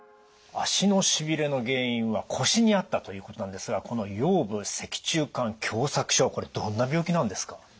足のしびれの原因は腰にあったということなんですがこの腰部脊柱管狭窄症これどんな病気なんですか？